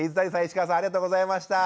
石川さんありがとうございました。